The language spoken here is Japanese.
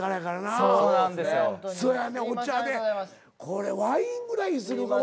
これワインぐらいする。